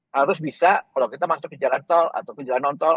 harus bisa kalau kita masuk ke jalan tol atau ke jalan non tol